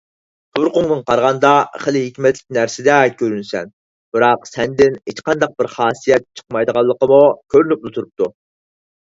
تۇرقۇڭدىن قارىغاندا، خېلى ھېكمەتلىك نەرسىدەك كۆرۈنىسەن. بىراق، سەندىن ھېچقانداق بىر خاسىيەت چىقمايدىغانلىقىمۇ كۆرۈنۈپلا تۇرۇپتۇ.